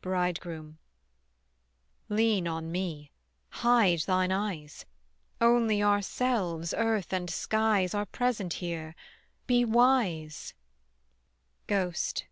BRIDEGROOM. Lean on me, hide thine eyes: Only ourselves, earth and skies, Are present here: be wise. GHOST.